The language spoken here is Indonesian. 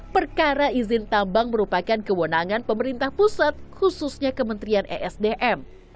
perkara izin tambang merupakan kewenangan pemerintah pusat khususnya kementerian esdm